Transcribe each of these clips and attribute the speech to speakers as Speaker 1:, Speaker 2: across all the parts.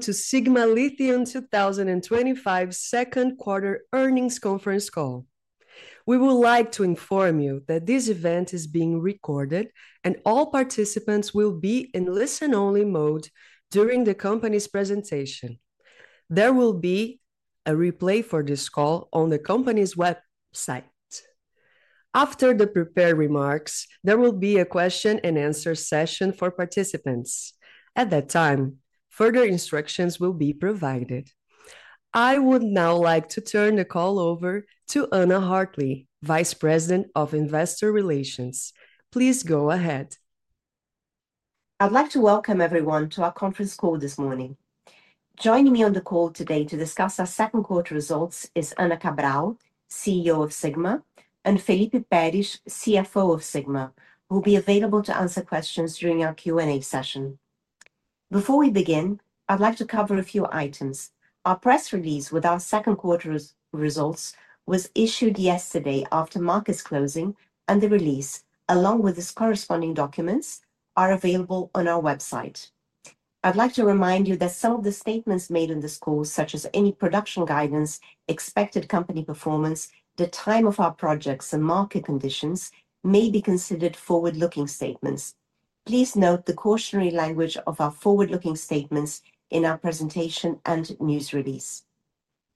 Speaker 1: To Sigma Lithium 2025 Second Quarter Earnings Conference Call. We would like to inform you that this event is being recorded, and all participants will be in listen-only mode during the company's presentation. There will be a replay for this call on the company's website. After the prepared remarks, there will be a question and answer session for participants. At that time, further instructions will be provided. I would now like to turn the call over to Anna Hartley, Vice President of Investor Relations. Please go ahead.
Speaker 2: I'd like to welcome everyone to our conference call this morning. Joining me on the call today to discuss our second quarter results is Ana Cabral, CEO of Sigma, and Felipe Peres, CFO of Sigma, who will be available to answer questions during our Q&A session. Before we begin, I'd like to cover a few items. Our press release with our second quarter results was issued yesterday after market closing, and the release, along with its corresponding documents, are available on our website. I'd like to remind you that some of the statements made in this call, such as any production guidance, expected company performance, the time of our projects, and market conditions, may be considered forward-looking statements. Please note the cautionary language of our forward-looking statements in our presentation and news release.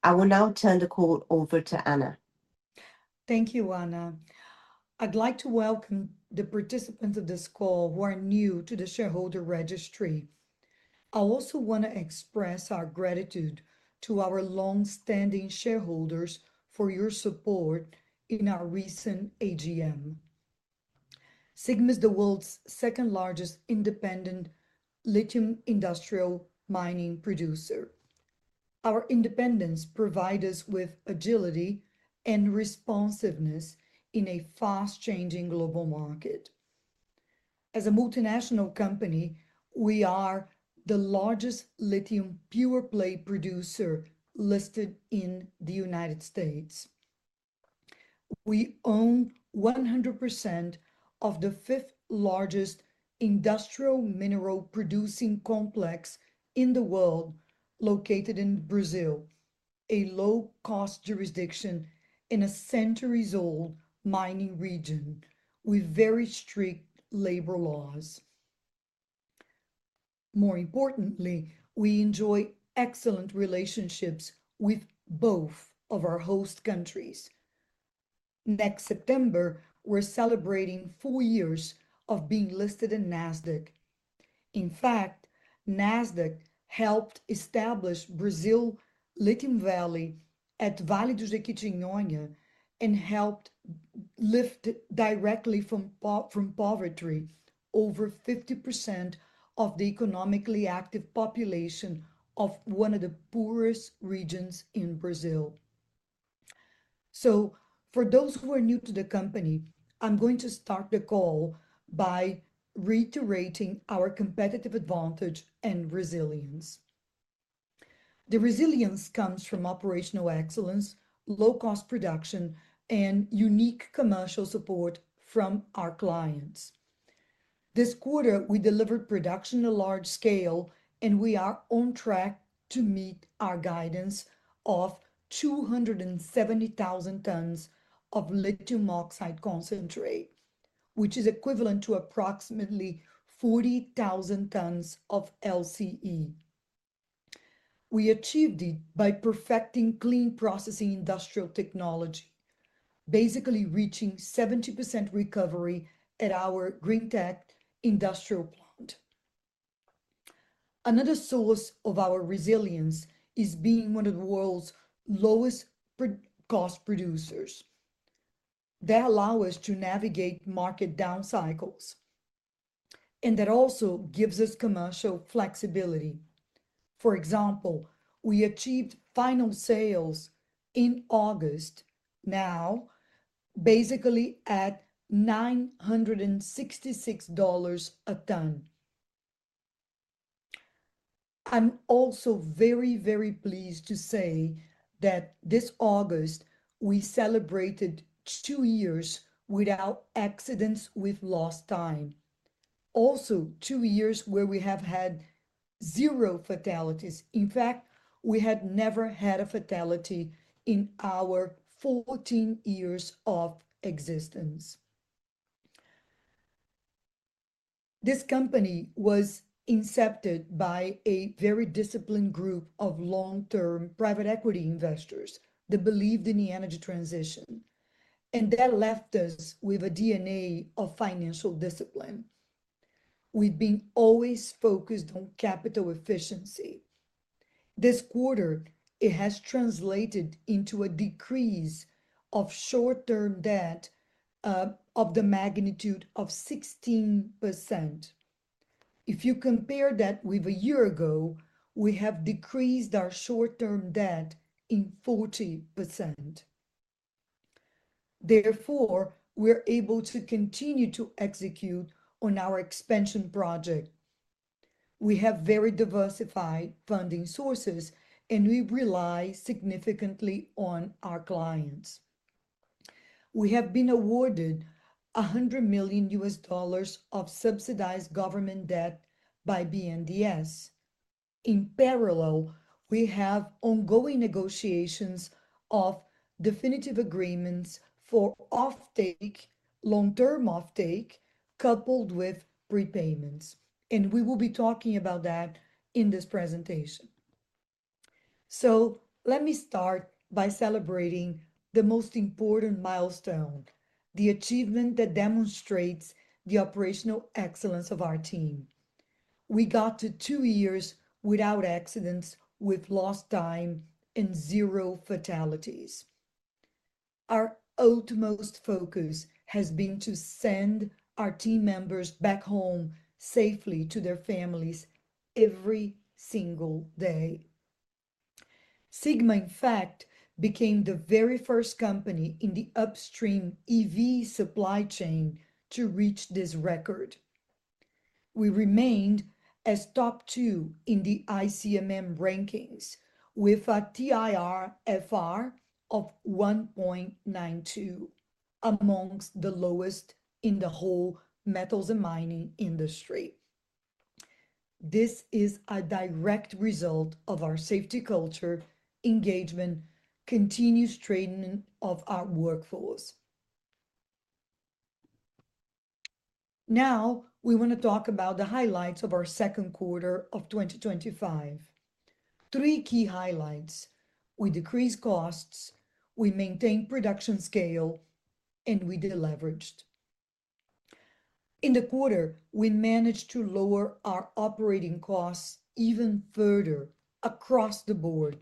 Speaker 2: I will now turn the call over to Ana.
Speaker 3: Thank you, Anna. I'd like to welcome the participants of this call who are new to the shareholder registry. I also want to express our gratitude to our longstanding shareholders for your support in our recent AGM. Sigma is the world's second-largest independent lithium industrial mining producer. Our independence provides us with agility and responsiveness in a fast-changing global market. As a multinational company, we are the largest lithium pure-play producer listed in the United States. We own 100% of the fifth-largest industrial mineral-producing complex in the world, located in Brazil, a low-cost jurisdiction in a centuries-old mining region with very strict labor laws. More importantly, we enjoy excellent relationships with both of our host countries. Next September, we're celebrating four years of being listed in Nasdaq. In fact, Nasdaq helped establish Brazil Lithium Valley at Vale do Jequitinhonha and helped lift directly from poverty over 50% of the economically active population of one of the poorest regions in Brazil. For those who are new to the company, I'm going to start the call by reiterating our competitive advantage and resilience. The resilience comes from operational excellence, low-cost production, and unique commercial support from our clients. This quarter, we delivered production at large scale, and we are on track to meet our guidance of 270,000 tons of lithium oxide concentrate, which is equivalent to approximately 40,000 tons of LCE. We achieved it by perfecting clean processing industrial technology, basically reaching 70% recovery at our Greentech Industrial Plant. Another source of our resilience is being one of the world's lowest cost producers. That allows us to navigate market down cycles, and that also gives us commercial flexibility. For example, we achieved final sales in August, now basically at $966 a ton. I'm also very, very pleased to say that this August, we celebrated two years without accidents with lost time. Also, two years where we have had zero fatalities. In fact, we had never had a fatality in our 14 years of existence. This company was incepted by a very disciplined group of long-term private equity investors that believed in the energy transition, and that left us with a DNA of financial discipline. We've been always focused on capital efficiency. This quarter, it has translated into a decrease of short-term debt of the magnitude of 16%. If you compare that with a year ago, we have decreased our short-term debt by 40%. Therefore, we're able to continue to execute on our expansion project. We have very diversified funding sources, and we rely significantly on our clients. We have been awarded $100 million of subsidized government debt by BNDES. In parallel, we have ongoing negotiations of definitive agreements for offtake, long-term offtake, coupled with prepayments, and we will be talking about that in this presentation. Let me start by celebrating the most important milestone, the achievement that demonstrates the operational excellence of our team. We got to two years without accidents with lost time and zero fatalities. Our utmost focus has been to send our team members back home safely to their families every single day. Sigma, in fact, became the very first company in the upstream EV supply chain to reach this record. We remained as top two in the ICMM rankings with a TIR/FR of 1.92, among the lowest in the whole metals and mining industry. This is a direct result of our safety culture, engagement, and continued strengthening of our workforce. Now, we want to talk about the highlights of our second quarter of 2025. Three key highlights: we decreased costs, we maintained production scale, and we deleveraged. In the quarter, we managed to lower our operating costs even further across the board.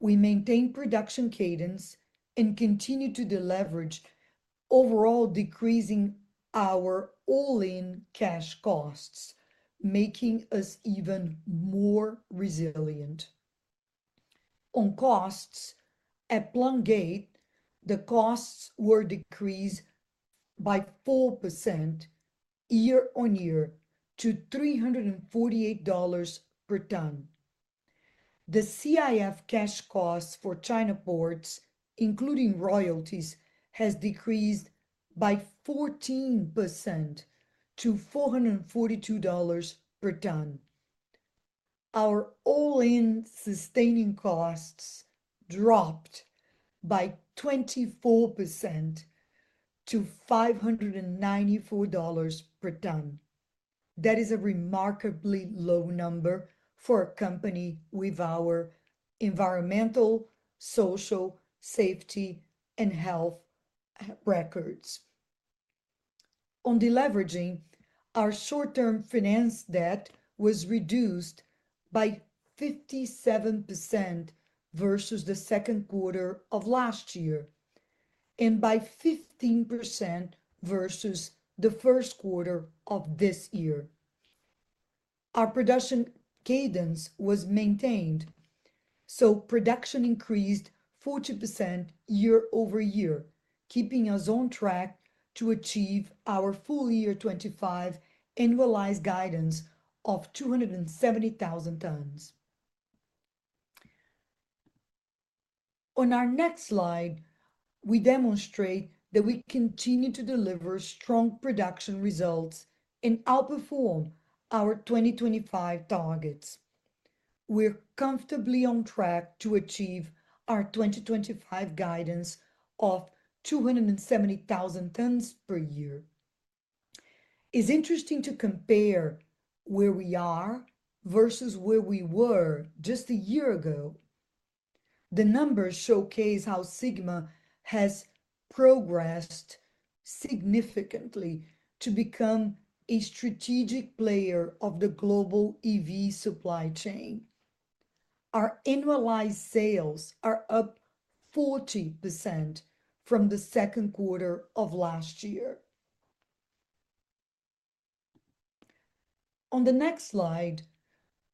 Speaker 3: We maintained production cadence and continued to deleverage, overall decreasing our all-in cash costs, making us even more resilient. On costs, at plant gate, the costs were decreased by 4% year-on-year to $348 per ton. The CIF cash cost for China ports, including royalties, has decreased by 14% to $442 per ton. Our all-in sustaining costs dropped by 24% to $594 per ton. That is a remarkably low number for a company with our environmental, social, safety, and health records. On deleveraging, our short-term finance debt was reduced by 57% versus the second quarter of last year and by 15% versus the first quarter of this year. Our production cadence was maintained, so production increased 40% year-over-year, keeping us on track to achieve our full-year 2025 annualized guidance of 270,000 tons. On our next slide, we demonstrate that we continue to deliver strong production results and outperform our 2025 targets. We're comfortably on track to achieve our 2025 guidance of 270,000 tons per year. It's interesting to compare where we are versus where we were just a year ago. The numbers showcase how Sigma has progressed significantly to become a strategic player of the global EV supply chain. Our annualized sales are up 40% from the second quarter of last year. On the next slide,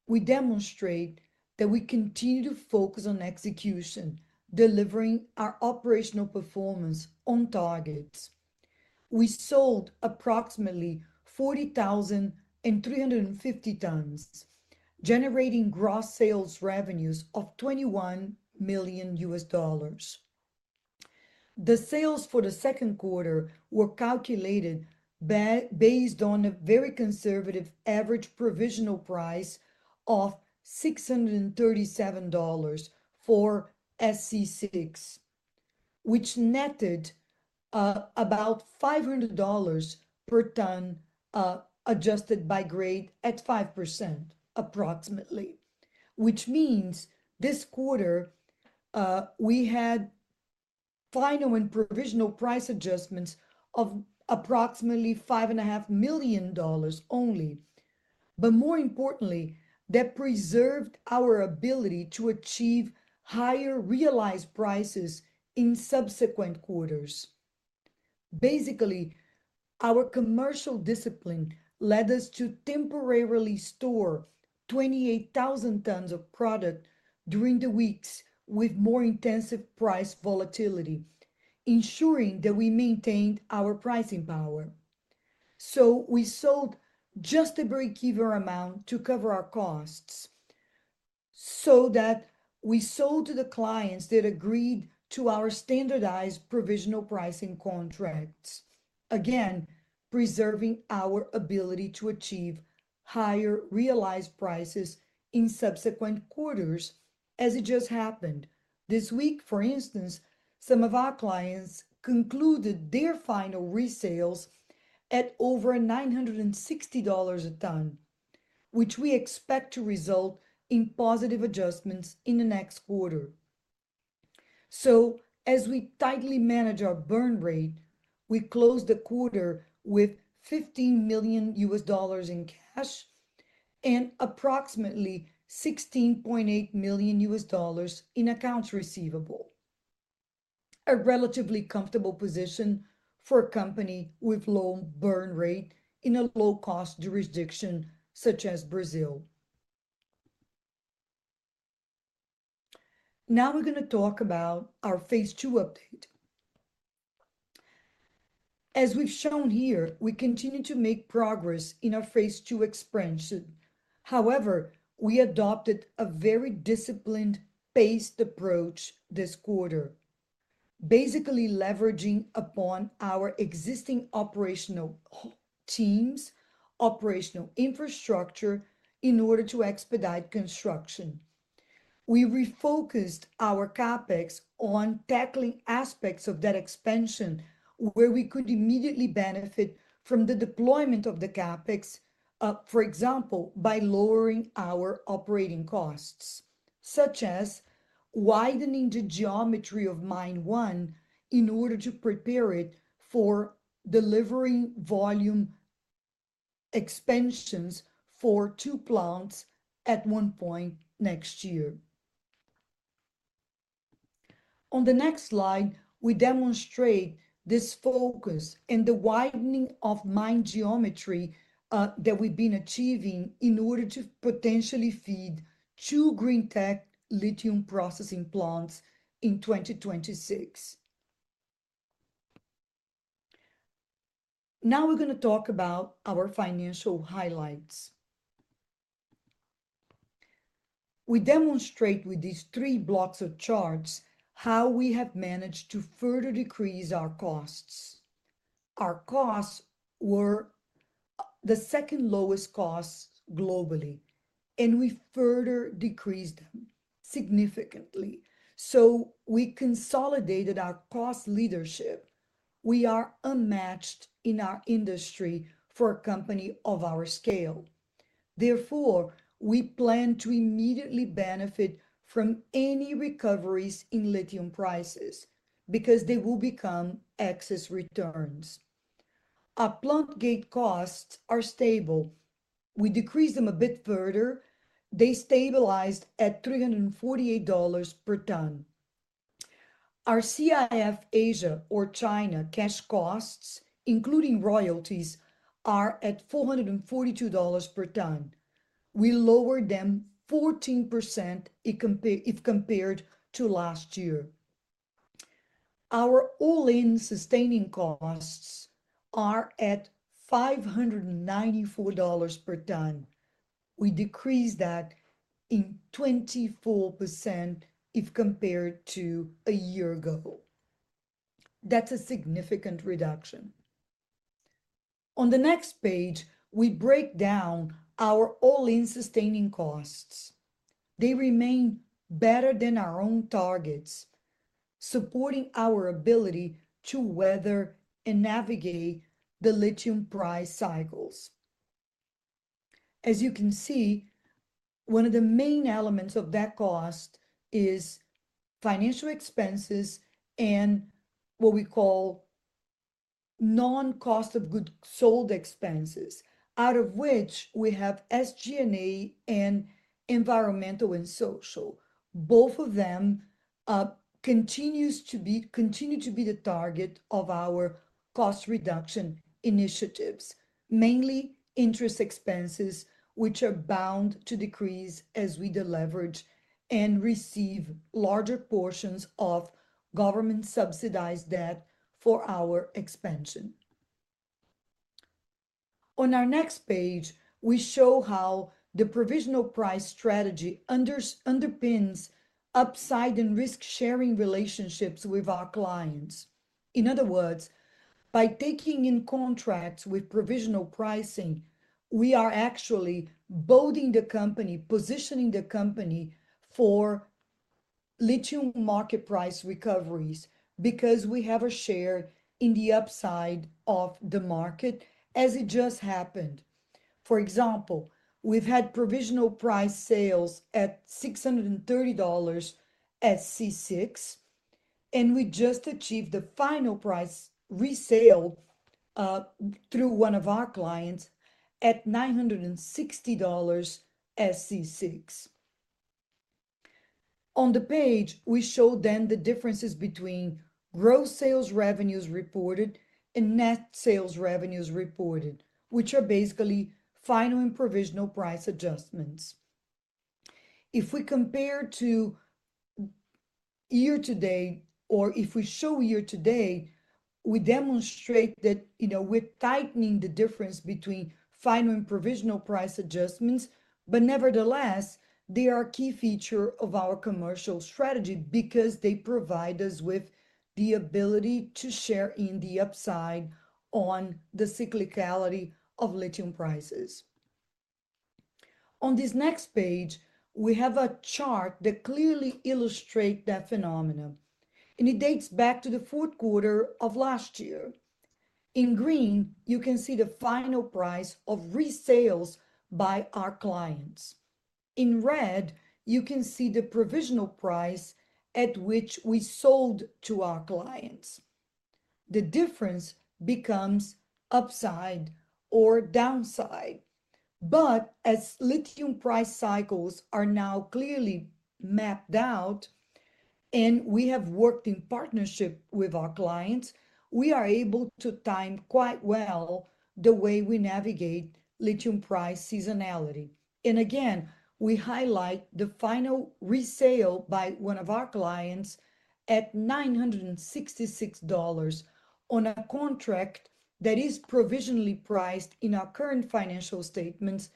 Speaker 3: we demonstrate that we continue to focus on execution, delivering our operational performance on targets. We sold approximately 40,350 tons, generating gross sales revenues of $21 million. The sales for the second quarter were calculated based on a very conservative average provisional price of $637 for SC6, which netted about $500 per ton, adjusted by grade at 5% approximately, which means this quarter we had final and provisional price adjustments of approximately $5.5 million only. More importantly, that preserved our ability to achieve higher realized prices in subsequent quarters. Basically, our commercial discipline led us to temporarily store 28,000 tons of product during the weeks with more intensive price volatility, ensuring that we maintained our pricing power. We sold just the break-even amount to cover our costs so that we sold to the clients that agreed to our standardized provisional pricing contracts, again, preserving our ability to achieve higher realized prices in subsequent quarters, as it just happened. This week, for instance, some of our clients concluded their final resales at over $960 a ton, which we expect to result in positive adjustments in the next quarter. As we tightly manage our burn rate, we closed the quarter with $15 million in cash and approximately $16.8 million in accounts receivable. A relatively comfortable position for a company with low burn rate in a low-cost jurisdiction such as Brazil. Now we're going to talk about our phase II update. As we've shown here, we continue to make progress in our phase II expansion. However, we adopted a very disciplined, paced approach this quarter, basically leveraging upon our existing operational teams, operational infrastructure in order to expedite construction. We refocused our CapEx on tackling aspects of that expansion where we could immediately benefit from the deployment of the CapEx, for example, by lowering our operating costs, such as widening the geometry of mine one in order to prepare it for delivering volume expansions for two plants at one point next year. On the next slide, we demonstrate this focus and the widening of mine geometry that we've been achieving in order to potentially feed two Greentech Lithium Processing Plants in 2026. Now we're going to talk about our financial highlights. We demonstrate with these three blocks of charts how we have managed to further decrease our costs. Our costs were the second lowest cost globally, and we further decreased them significantly. We consolidated our cost leadership. We are unmatched in our industry for a company of our scale. Therefore, we plan to immediately benefit from any recoveries in lithium prices because they will become excess returns. Our plant gate costs are stable. We decreased them a bit further, they stabilized at $348 per ton. Our CIF Asia or China cash costs, including royalties, are at $442 per ton. We lowered them 14% if compared to last year. Our all-in sustaining costs are at $594 per ton. We decreased that by 24% if compared to a year ago. That's a significant reduction. On the next page, we break down our all-in sustaining costs. They remain better than our own targets, supporting our ability to weather and navigate the lithium price cycles. As you can see, one of the main elements of that cost is financial expenses and what we call non-cost of goods sold expenses, out of which we have SG&A and environmental and social. Both of them continue to be the target of our cost reduction initiatives, mainly interest expenses, which are bound to decrease as we deleverage and receive larger portions of government-subsidized debt for our expansion. On our next page, we show how the provisional price strategy underpins upside and risk-sharing relationships with our clients. In other words, by taking in contracts with provisional pricing, we are actually boating the company, positioning the company for lithium market price recoveries because we have a share in the upside of the market, as it just happened. For example, we've had provisional price sales at $630 SC6, and we just achieved the final price resale through one of our clients at $960 SC6. On the page, we show then the differences between gross sales revenues reported and net sales revenues reported, which are basically final and provisional price adjustments. If we compare to year-to-date, or if we show year-to-date, we demonstrate that we're tightening the difference between final and provisional price adjustments, but nevertheless, they are a key feature of our commercial strategy because they provide us with the ability to share in the upside on the cyclicality of lithium prices. On this next page, we have a chart that clearly illustrates that phenomenon, and it dates back to the fourth quarter of last year. In green, you can see the final price of resales by our clients. In red, you can see the provisional price at which we sold to our clients. The difference becomes upside or downside. As lithium price cycles are now clearly mapped out, and we have worked in partnership with our clients, we are able to time quite well the way we navigate lithium price seasonality. Again, we highlight the final resale by one of our clients at $966 on a contract that is provisionally priced in our current financial statements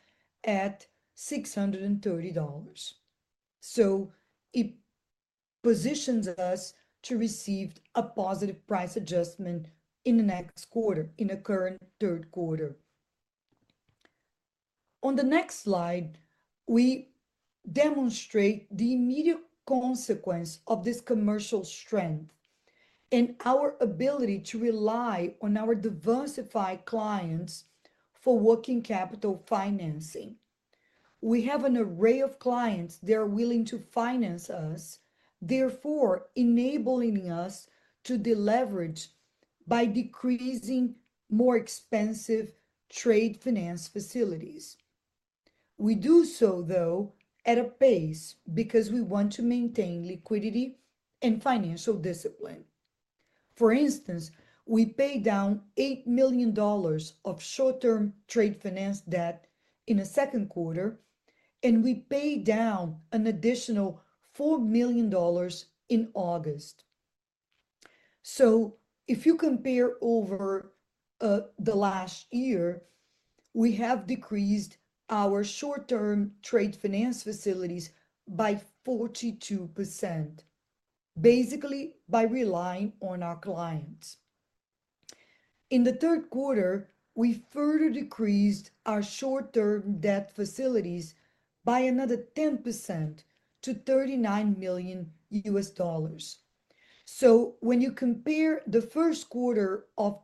Speaker 3: at $630. It positions us to receive a positive price adjustment in the next quarter, in the current third quarter. On the next slide, we demonstrate the immediate consequence of this commercial strength and our ability to rely on our diversified clients for working capital financing. We have an array of clients that are willing to finance us, therefore enabling us to deleverage by decreasing more expensive trade finance facilities. We do so, though, at a pace because we want to maintain liquidity and financial discipline. For instance, we paid down $8 million of short-term trade finance debt in the second quarter, and we paid down an additional $4 million in August. If you compare over the last year, we have decreased our short-term trade finance facilities by 42%, basically by relying on our clients. In the third quarter, we further decreased our short-term debt facilities by another 10% to $39 million. When you compare the first quarter of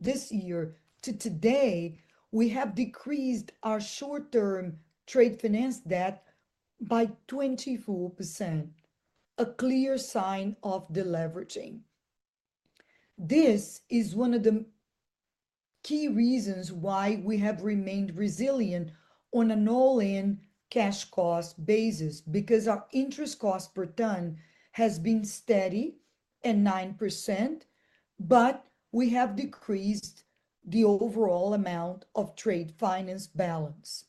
Speaker 3: this year to today, we have decreased our short-term trade finance debt by 24%, a clear sign of deleveraging. This is one of the key reasons why we have remained resilient on an all-in cash cost basis, because our interest cost per ton has been steady at 9%, but we have decreased the overall amount of trade finance balance.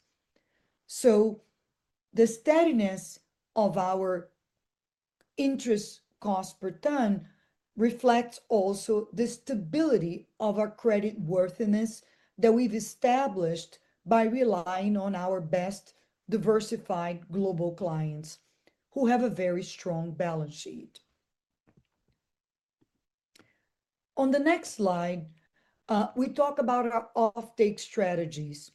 Speaker 3: The steadiness of our interest cost per ton reflects also the stability of our creditworthiness that we've established by relying on our best diversified global clients who have a very strong balance sheet. On the next slide, we talk about our offtake strategies.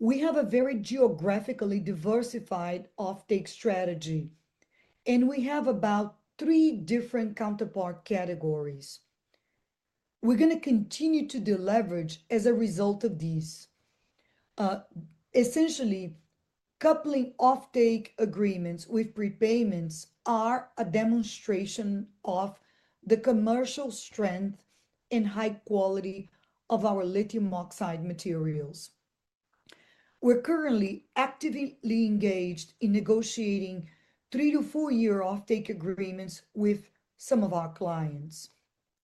Speaker 3: We have a very geographically diversified offtake strategy, and we have about three different counterpart categories. We're going to continue to deleverage as a result of these. Essentially, coupling offtake agreements with prepayments is a demonstration of the commercial strength and high quality of our lithium oxide materials. We're currently actively engaged in negotiating three- to four-year offtake agreements with some of our clients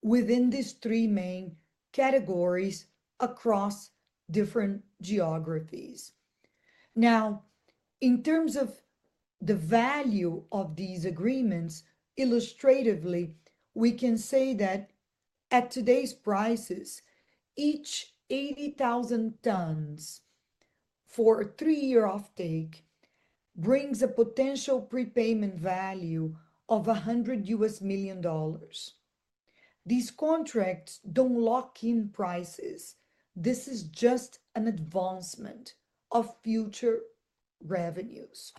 Speaker 3: within these three main categories across different geographies. In terms of the value of these agreements, illustratively, we can say that at today's prices, each 80,000 tons for a three-year offtake brings a potential prepayment value of $100 million. These contracts don't lock in prices; this is just an advancement of future revenues.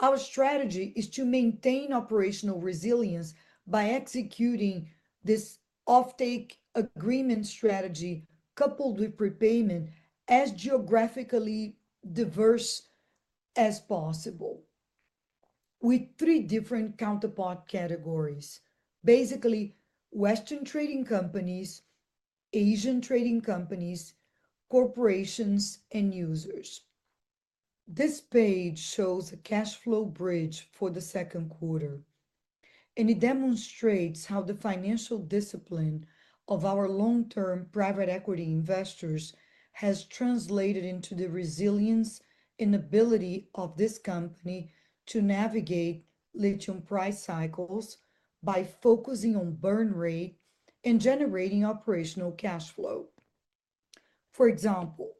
Speaker 3: Our strategy is to maintain operational resilience by executing this offtake agreement strategy, coupled with prepayment, as geographically diverse as possible, with three different counterpart categories, basically Western trading companies, Asian trading companies, corporations, and users. This page shows a cash flow bridge for the second quarter, and it demonstrates how the financial discipline of our long-term private equity investors has translated into the resilience and ability of this company to navigate lithium price cycles by focusing on burn rate and generating operational cash flow. For example,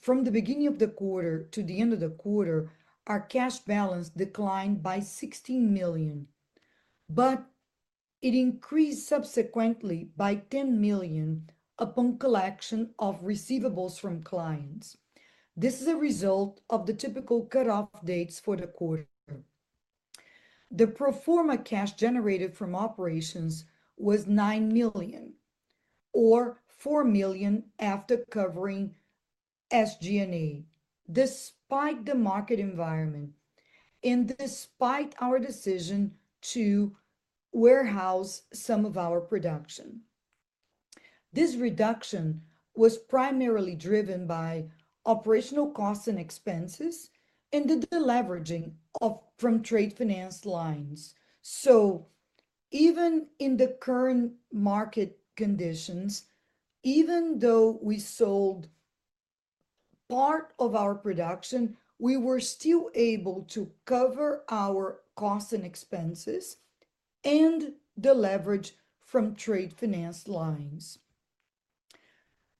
Speaker 3: from the beginning of the quarter to the end of the quarter, our cash balance declined by $16 million, but it increased subsequently by $10 million upon collection of receivables from clients. This is a result of the typical cutoff dates for the quarter. The pro forma cash generated from operations was $9 million, or $4 million after covering SG&A. This spiked the market environment, and this spiked our decision to warehouse some of our production. This reduction was primarily driven by operational costs and expenses and the deleveraging from trade finance lines. Even in the current market conditions, even though we sold part of our production, we were still able to cover our costs and expenses and deleverage from trade finance lines.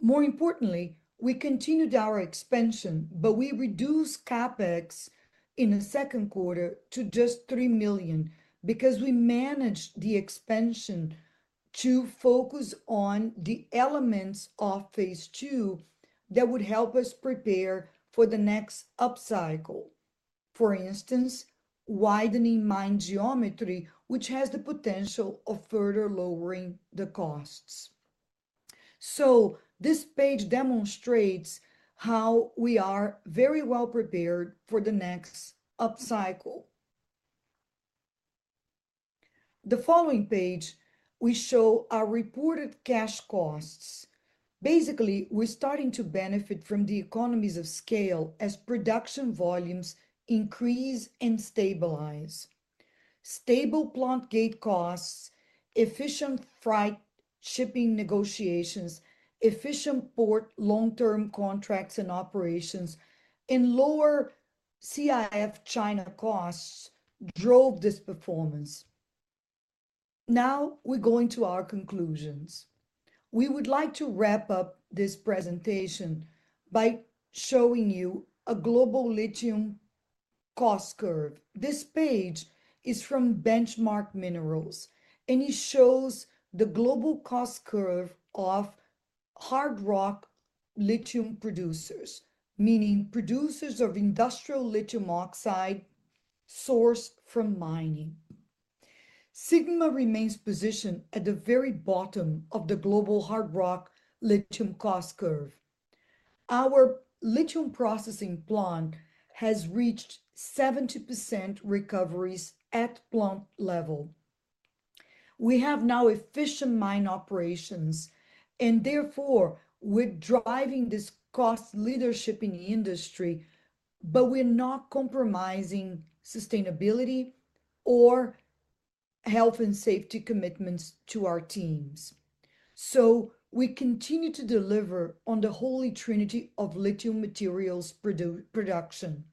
Speaker 3: More importantly, we continued our expansion, but we reduced CapEx in the second quarter to just $3 million because we managed the expansion to focus on the elements of phase II that would help us prepare for the next upcycle. For instance, widening mine geometry, which has the potential of further lowering the costs. This page demonstrates how we are very well prepared for the next upcycle. The following page, we show our reported cash costs. Basically, we're starting to benefit from the economies of scale as production volumes increase and stabilize. Stable plant gate costs, efficient freight shipping negotiations, efficient port long-term contracts and operations, and lower CIF China costs drove this performance. Now, we're going to our conclusions. We would like to wrap up this presentation by showing you a global lithium cost curve. This page is from Benchmark Minerals, and it shows the global cost curve of hard rock lithium producers, meaning producers of industrial lithium oxide sourced from mining. Sigma remains positioned at the very bottom of the global hard rock lithium cost curve. Our lithium processing plant has reached 70% recoveries at plant level. We have now efficient mine operations, and therefore, we're driving this cost leadership in the industry, but we're not compromising sustainability or health and safety commitments to our teams. We continue to deliver on the Holy Trinity of lithium materials production.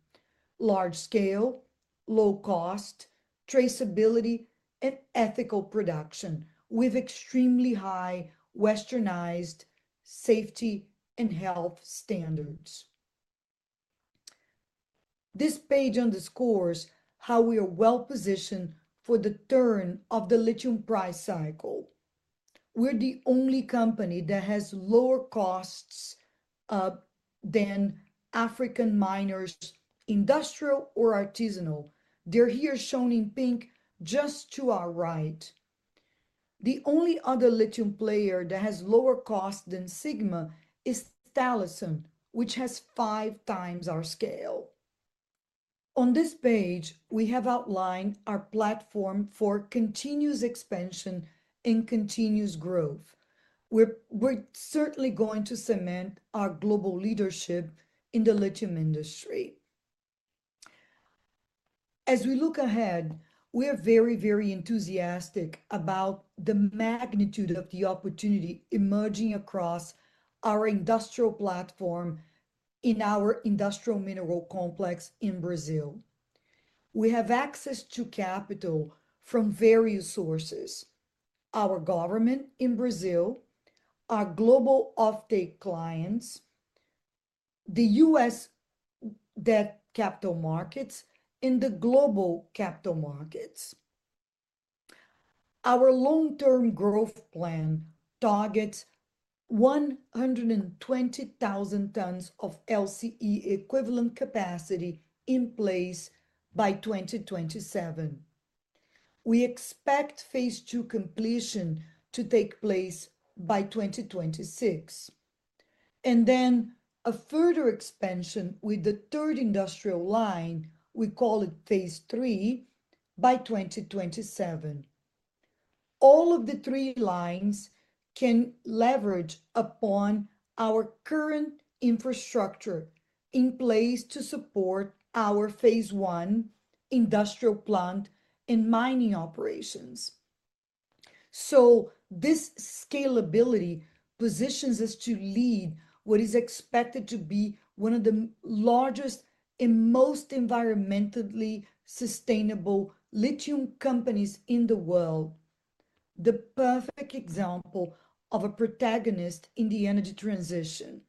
Speaker 3: Large scale, low cost, traceability, and ethical production with extremely high Westernized safety and health standards. This page underscores how we are well positioned for the turn of the lithium price cycle. We're the only company that has lower costs than African miners, industrial or artisanal. They're here shown in pink just to our right. The only other lithium player that has lower costs than Sigma is Talison, which has 5x our scale. On this page, we have outlined our platform for continuous expansion and continuous growth. We're certainly going to cement our global leadership in the lithium industry. As we look ahead, we are very, very enthusiastic about the magnitude of the opportunity emerging across our industrial platform in our industrial mineral complex in Brazil. We have access to capital from various sources: our government in Brazil, our global offtake clients, the U.S. debt capital markets, and the global capital markets. Our long-term growth plan targets 120,000 tons of LCE equivalent capacity in place by 2027. We expect phase II completion to take place by 2026, and then a further expansion with the third industrial line, we call it phase III, by 2027. All of the three lines can leverage upon our current infrastructure in place to support our phase I industrial plant and mining operations. This scalability positions us to lead what is expected to be one of the largest and most environmentally sustainable lithium companies in the world, the perfect example of a protagonist in the energy transition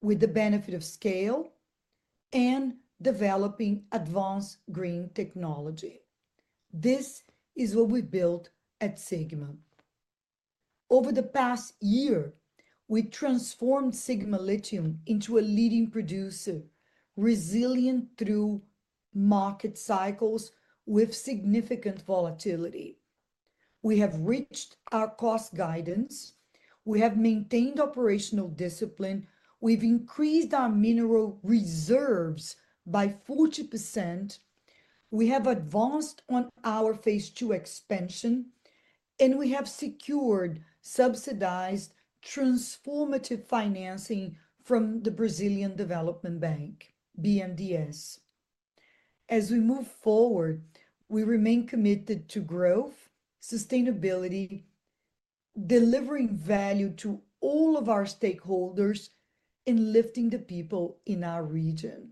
Speaker 3: with the benefit of scale and developing advanced green technology. This is what we built at Sigma. Over the past year, we transformed Sigma Lithium into a leading producer, resilient through market cycles with significant volatility. We have reached our cost guidance. We have maintained operational discipline. We've increased our mineral reserves by 40%. We have advanced on our phase II expansion, and we have secured subsidized transformative financing from the Brazilian Development Bank, BNDES. As we move forward, we remain committed to growth, sustainability, delivering value to all of our stakeholders, and lifting the people in our region.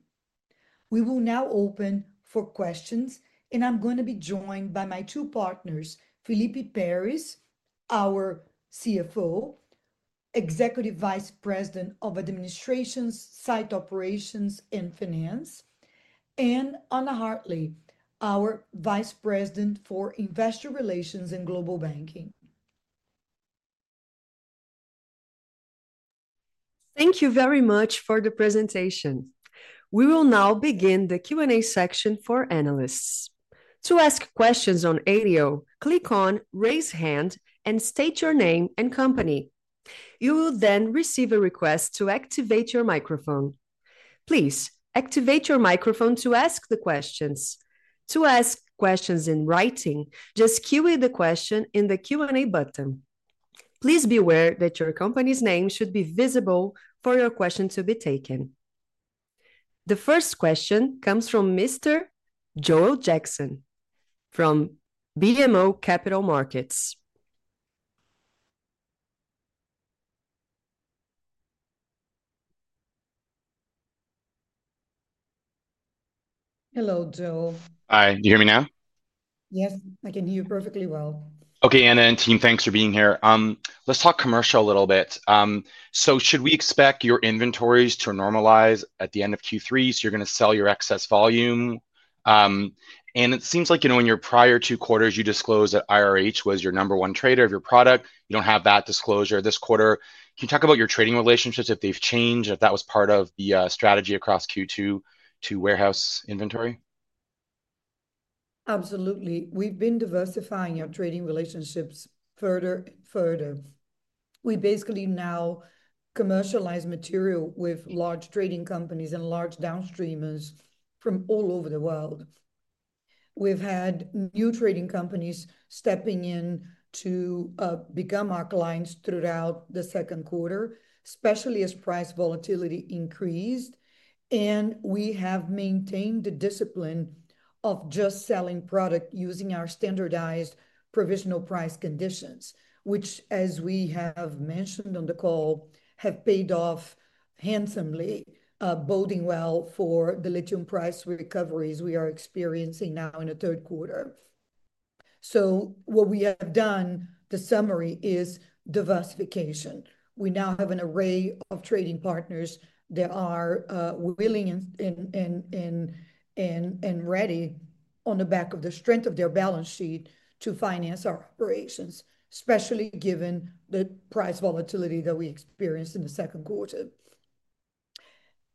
Speaker 3: We will now open for questions, and I'm going to be joined by my two partners, Felipe Peres, our CFO, Executive Vice President of Administrations, Site Operations, and Finance, and Anna Hartley, our Vice President for Investor Relations and Global Banking.
Speaker 1: Thank you very much for the presentation. We will now begin the Q&A section for analysts. To ask questions on audio, click on "Raise Hand" and state your name and company. You will then receive a request to activate your microphone. Please activate your microphone to ask the questions. To ask questions in writing, just QA the question in the Q&A button. Please be aware that your company's name should be visible for your question to be taken. The first question comes from Mr. Joel Jackson from BMO Capital Markets.
Speaker 3: Hello, Joel.
Speaker 4: Hi, do you hear me now?
Speaker 3: Yes, I can hear you perfectly well.
Speaker 4: Okay, Ana and team, thanks for being here. Let's talk commercial a little bit. Should we expect your inventories to normalize at the end of Q3? You're going to sell your excess volume, and it seems like, in your prior two quarters, you disclosed that IRH was your number one trader of your product. You don't have that disclosure this quarter. Can you talk about your trading relationships, if they've changed, and if that was part of the strategy across Q2 to warehouse inventory?
Speaker 3: Absolutely. We've been diversifying our trading relationships further and further. We basically now commercialize material with large trading companies and large downstreamers from all over the world. We've had new trading companies stepping in to become our clients throughout the second quarter, especially as price volatility increased, and we have maintained the discipline of just selling product using our standardized provisional price conditions, which, as we have mentioned on the call, have paid off handsomely, boding well for the lithium price recoveries we are experiencing now in the third quarter. What we have done, the summary is diversification. We now have an array of trading partners that are willing and ready, on the back of the strength of their balance sheet, to finance our operations, especially given the price volatility that we experienced in the second quarter.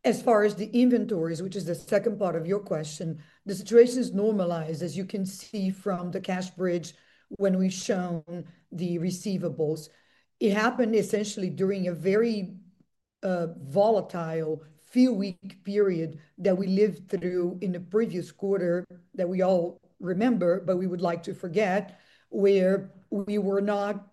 Speaker 3: As far as the inventories, which is the second part of your question, the situation has normalized, as you can see from the cash bridge when we've shown the receivables. It happened essentially during a very volatile few-week period that we lived through in the previous quarter that we all remember, but we would like to forget, where we were not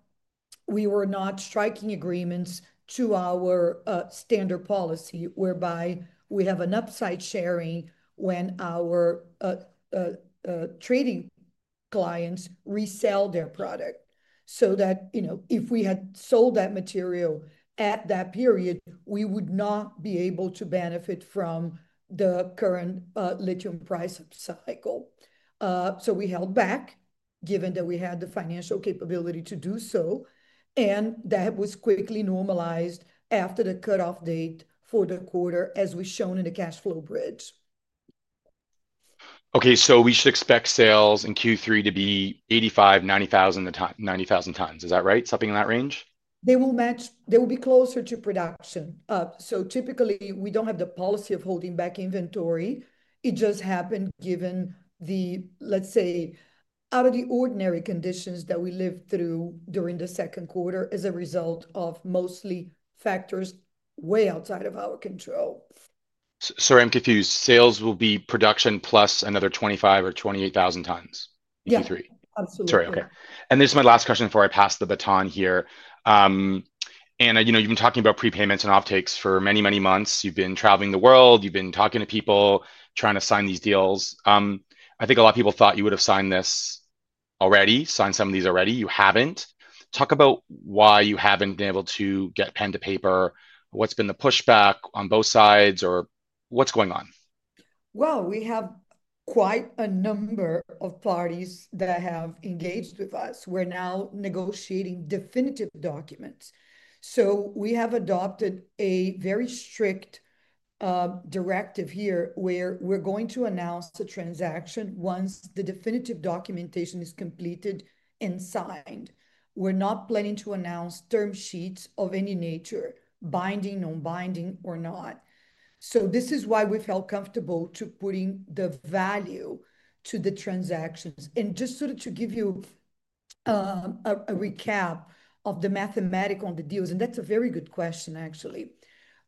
Speaker 3: striking agreements to our standard policy, whereby we have an upside sharing when our trading clients resell their product. If we had sold that material at that period, we would not be able to benefit from the current lithium price cycle. We held back, given that we had the financial capability to do so, and that was quickly normalized after the cutoff date for the quarter, as we've shown in the cash flow bridge.
Speaker 4: Okay, we should expect sales in Q3 to be 85,000, 90,000 tons. Is that right? Something in that range?
Speaker 3: They will match. They will be closer to production. Typically, we don't have the policy of holding back inventory. It just happened given the, let's say, out-of-the-ordinary conditions that we lived through during the second quarter as a result of mostly factors way outside of our control.
Speaker 4: Sorry, I'm confused. Sales will be production plus another 25,000 or 28,000 tons in Q3?
Speaker 3: Yes, absolutely.
Speaker 4: Sorry, okay. This is my last question before I pass the baton here. Ana, you've been talking about prepayments and offtakes for many, many months. You've been traveling the world, talking to people, trying to sign these deals. I think a lot of people thought you would have signed some of these already. You haven't. Talk about why you haven't been able to get pen to paper. What's been the pushback on both sides, or what's going on?
Speaker 3: We have quite a number of parties that have engaged with us. We're now negotiating definitive documents. We have adopted a very strict directive here where we're going to announce the transaction once the definitive documentation is completed and signed. We're not planning to announce term sheets of any nature, binding, non-binding, or not. This is why we felt comfortable putting the value to the transactions. Just sort of to give you a recap of the mathematical deals, and that's a very good question, actually.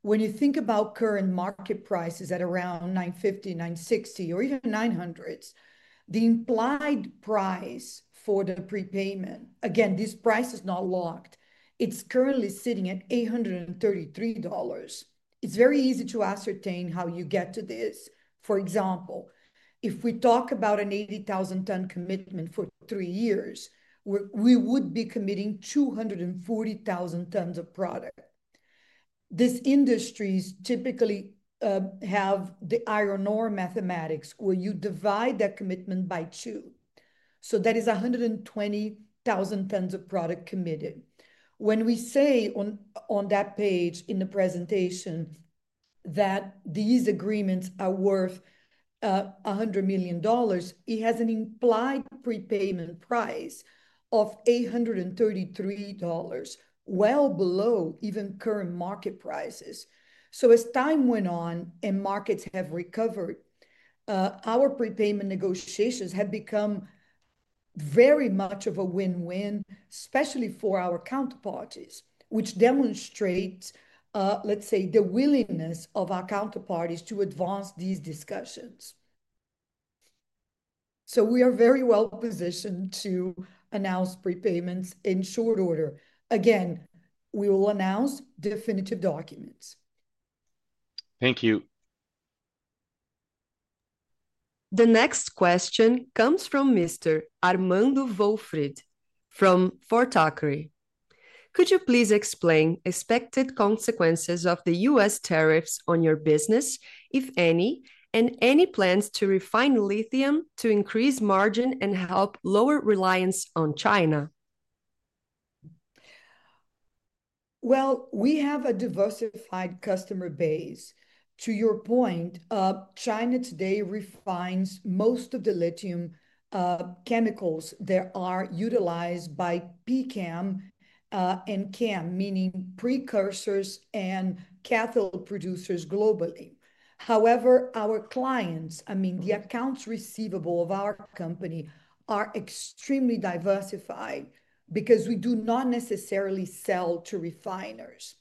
Speaker 3: When you think about current market prices at around $950, $960, or even $900, the implied price for the prepayment, again, this price is not locked. It's currently sitting at $833. It's very easy to ascertain how you get to this. For example, if we talk about an 80,000-ton commitment for three years, we would be committing 240,000 tons of product. These industries typically have the iron ore mathematics where you divide that commitment by two. That is 120,000 tons of product committed. When we say on that page in the presentation that these agreements are worth $100 million, it has an implied prepayment price of $833, well below even current market prices. As time went on and markets have recovered, our prepayment negotiations have become very much of a win-win, especially for our counterparties, which demonstrates, let's say, the willingness of our counterparties to advance these discussions. We are very well positioned to announce prepayments in short order. Again, we will announce definitive documents.
Speaker 4: Thank you.
Speaker 1: The next question comes from Mr. Armando Volfried from Fort Aucrey. Could you please explain expected consequences of the U.S. tariffs on your business, if any, and any plans to refine lithium to increase margin and help lower reliance on China?
Speaker 3: We have a diversified customer base. To your point, China today refines most of the lithium chemicals that are utilized by PCAM and CAM, meaning precursors and cathode producers globally. However, our clients, I mean, the accounts receivable of our company are extremely diversified because we do not necessarily sell to refiners.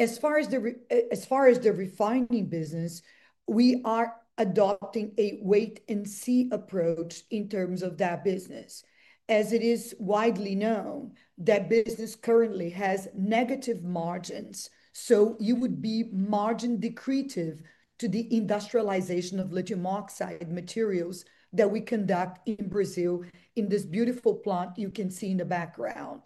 Speaker 3: As far as the refining business, we are adopting a wait-and-see approach in terms of that business. As it is widely known, that business currently has negative margins. You would be margin-decretive to the industrialization of lithium oxide materials that we conduct in Brazil in this beautiful plant you can see in the background.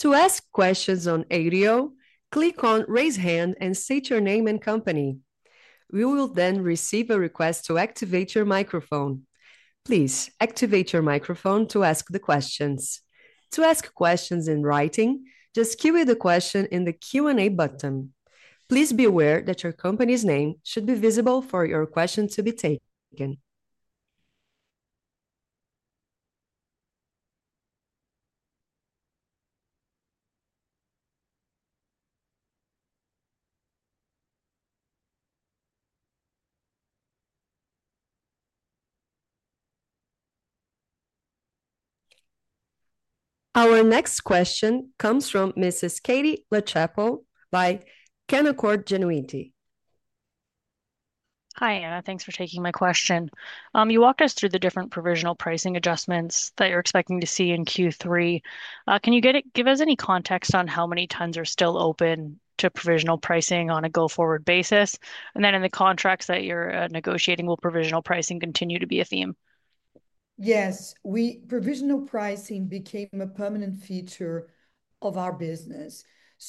Speaker 1: To ask questions on audio, click on "Raise Hand" and state your name and company. We will then receive a request to activate your microphone. Please activate your microphone to ask the questions. To ask questions in writing, just QA the question in the Q&A button. Please be aware that your company's name should be visible for your questions to be taken. Our next question comes from Mrs. Katie Lachapelle by Canaccord Genuity.
Speaker 5: Hi, Ana. Thanks for taking my question. You walked us through the different provisional pricing adjustments that you're expecting to see in Q3. Can you give us any context on how many tons are still open to provisional pricing on a go-forward basis? In the contracts that you're negotiating, will provisional pricing continue to be a theme?
Speaker 3: Yes, provisional pricing became a permanent feature of our business.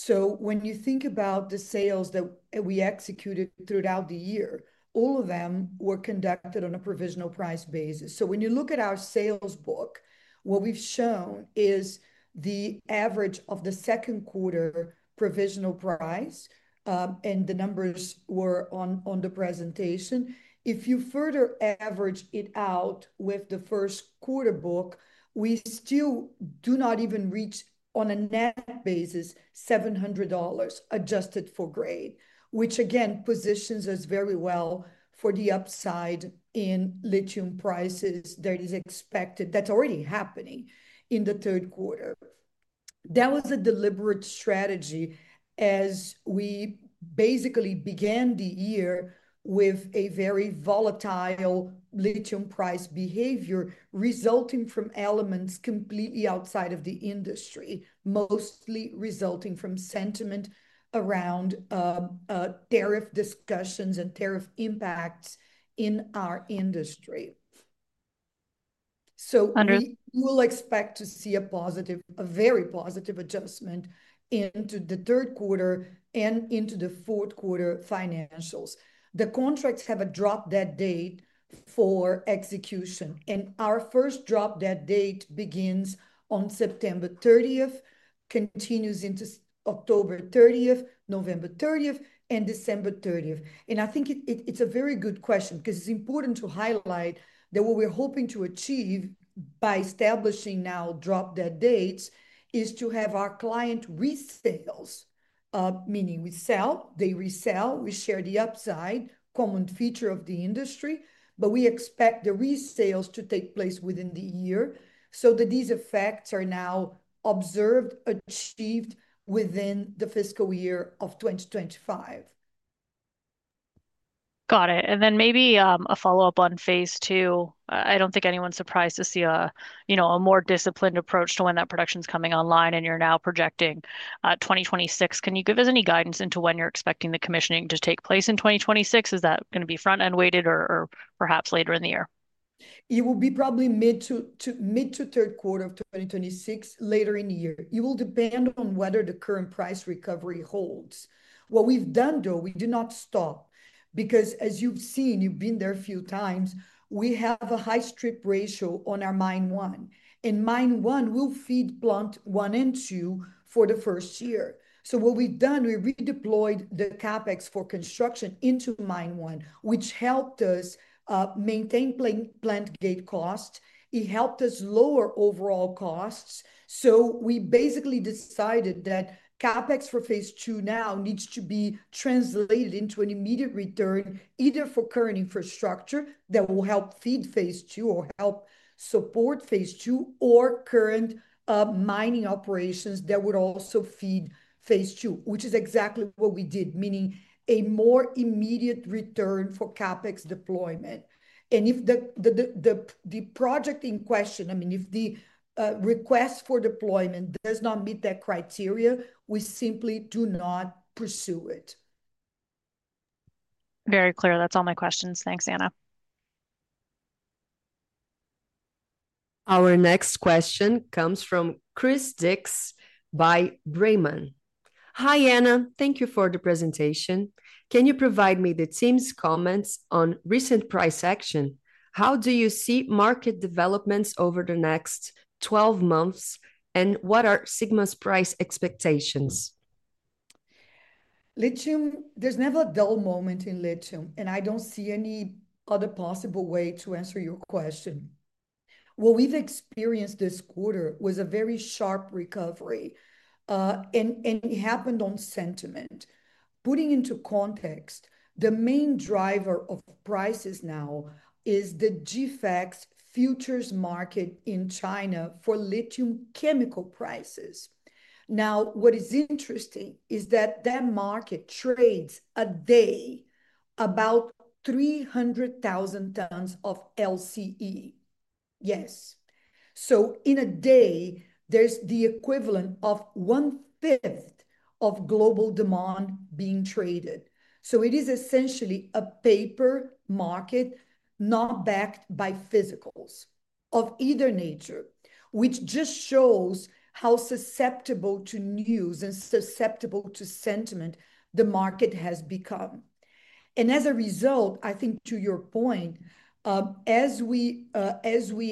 Speaker 3: When you think about the sales that we executed throughout the year, all of them were conducted on a provisional price basis. When you look at our sales book, what we've shown is the average of the second quarter provisional price, and the numbers were on the presentation. If you further average it out with the first quarter book, we still do not even reach on a net basis $700 adjusted for grade, which again positions us very well for the upside in lithium prices that is expected, that's already happening in the third quarter. That was a deliberate strategy as we basically began the year with a very volatile lithium price behavior resulting from elements completely outside of the industry, mostly resulting from sentiment around tariff discussions and tariff impacts in our industry. We will expect to see a positive, a very positive adjustment into the third quarter and into the fourth quarter financials. The contracts have a drop-dead date for execution, and our first drop-dead date begins on September 30th, continues into October 30th, November 30th, and December 30th. I think it's a very good question because it's important to highlight that what we're hoping to achieve by establishing now drop-dead dates is to have our client resales, meaning we sell, they resell, we share the upside, common feature of the industry, but we expect the resales to take place within the year so that these effects are now observed, achieved within the fiscal year of 2025.
Speaker 5: Got it. Maybe a follow-up on phase II. I don't think anyone's surprised to see a more disciplined approach to when that production is coming online, and you're now projecting 2026. Can you give us any guidance into when you're expecting the commissioning to take place in 2026? Is that going to be front-end weighted or perhaps later in the year?
Speaker 3: It will be probably mid to third quarter of 2026, later in the year. It will depend on whether the current price recovery holds. What we've done, though, we did not stop because, as you've seen, you've been there a few times, we have a high strip ratio on our Mine 1, and Mine 1 will feed Plant 1 and Plant 2 for the first year. What we've done, we redeployed the CapEx for construction into Mine 1, which helped us maintain plant gate costs. It helped us lower overall costs. We basically decided that CapEx for phase II now needs to be translated into an immediate return either for current infrastructure that will help feed phase II or help support phase II or current mining operations that would also feed phase II, which is exactly what we did, meaning a more immediate return for CapEx deployment. If the project in question, I mean, if the request for deployment does not meet that criteria, we simply do not pursue it.
Speaker 5: Very clear. That's all my questions. Thanks, Ana.
Speaker 1: Our next question comes from Chris Dix with Brahman. Hi, Ana. Thank you for the presentation. Can you provide me the team's comments on recent price action? How do you see market developments over the next 12 months, and what are Sigma's price expectations?
Speaker 3: Lithium, there's never a dull moment in lithium, and I don't see any other possible way to answer your question. What we've experienced this quarter was a very sharp recovery, and it happened on sentiment. Putting into context, the main driver of prices now is the GFX futures market in China for lithium chemical prices. What is interesting is that market trades a day about 300,000 tons of LCE. Yes. In a day, there's the equivalent of one-fifth of global demand being traded. It is essentially a paper market not backed by physicals of either nature, which just shows how susceptible to news and susceptible to sentiment the market has become. As a result, I think to your point, as we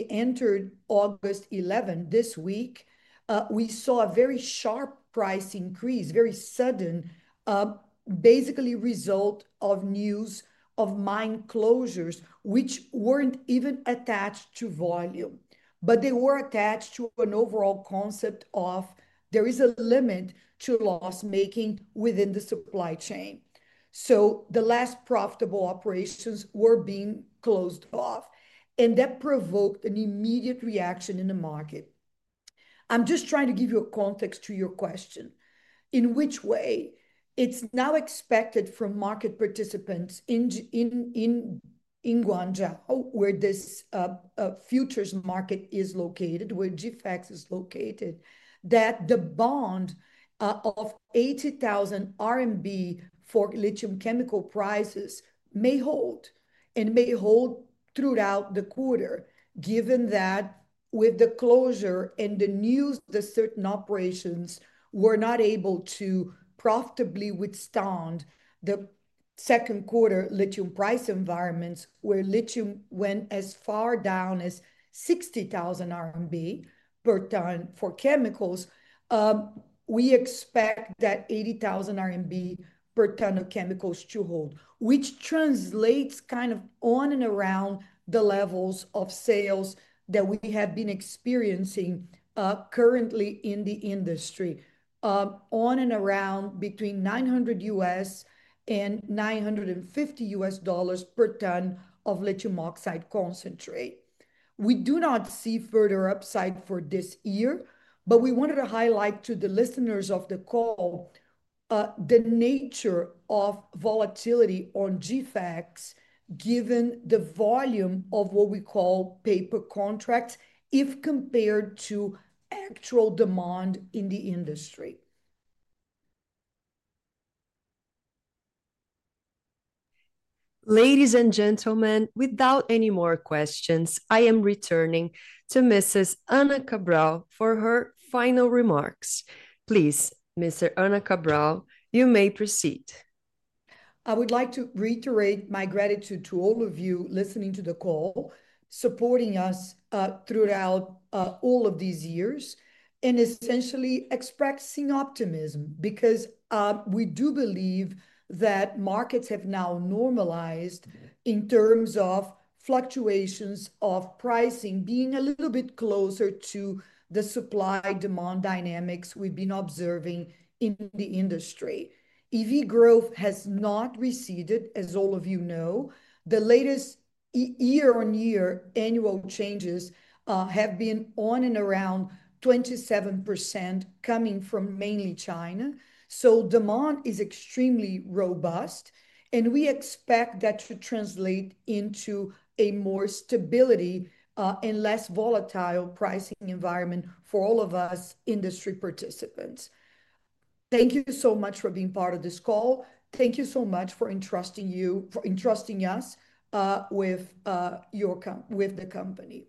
Speaker 3: entered August 11 this week, we saw a very sharp price increase, very sudden, basically a result of news of mine closures, which weren't even attached to volume, but they were attached to an overall concept of there is a limit to loss-making within the supply chain. The last profitable operations were being closed off, and that provoked an immediate reaction in the market. I'm just trying to give you a context to your question. In which way? It's now expected from market participants in Guangzhou, where this futures market is located, where GFX is located, that the bond of 80,000 RMB for lithium chemical prices may hold and may hold throughout the quarter, given that with the closure and the news, certain operations were not able to profitably withstand the second quarter lithium price environments where lithium went as far down as 60,000 RMB per ton for chemicals. We expect that 80,000 RMB per ton of chemicals to hold, which translates kind of on and around the levels of sales that we have been experiencing currently in the industry, on and around between $900 and $950 per ton of lithium oxide concentrate. We do not see further upside for this year, but we wanted to highlight to the listeners of the call the nature of volatility on GFX, given the volume of what we call paper contracts if compared to actual demand in the industry.
Speaker 1: Ladies and gentlemen, without any more questions, I am returning to Mrs. Ana Cabral for her final remarks. Please, Mrs. Ana Cabral, you may proceed.
Speaker 3: I would like to reiterate my gratitude to all of you listening to the call, supporting us throughout all of these years, and essentially expressing optimism because we do believe that markets have now normalized in terms of fluctuations of pricing being a little bit closer to the supply-demand dynamics we've been observing in the industry. EV growth has not receded, as all of you know. The latest year-on-year annual changes have been on and around 27% coming from mainly China. Demand is extremely robust, and we expect that to translate into more stability and less volatile pricing environment for all of us industry participants. Thank you so much for being part of this call. Thank you so much for entrusting us with the company.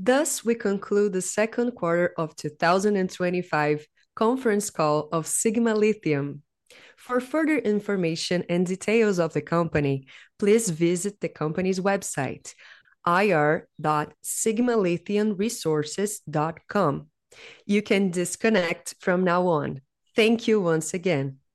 Speaker 1: Thus, we conclude the Second Quarter of 2025 Conference Call of Sigma Lithium. For further information and details of the company, please visit the company's website, ir.sigmalithiumresources.com. You can disconnect from now on. Thank you once again.